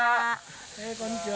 こんにちは。